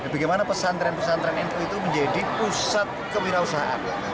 bagaimana pesantren pesantren nu itu menjadi pusat kewirausahaan